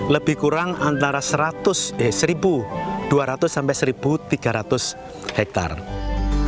lebih kurang antara seratus eh satu dua ratus sampai satu tiga ratus hektare